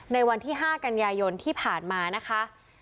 ในวันที่๕กันยายนที่ผ่านมานะคะ